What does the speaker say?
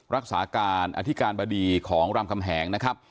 รักษาการอธิการบดีของรามคำแหงนะครับ